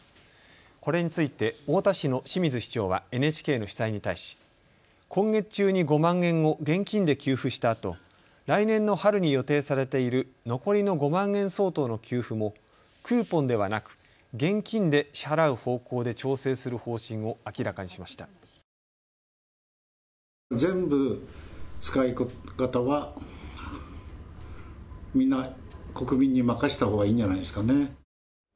これについて太田市の清水市長はＮＨＫの取材に対し今月中に５万円を現金で給付したあと来年の春に予定されている残りの５万円相当の給付もクーポンではなく現金で支払う方向で調整する方針を明らかにしました。